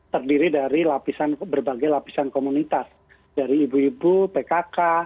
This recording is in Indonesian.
terdiri dari berbagai lapisan komunitas dari ibu ibu pkk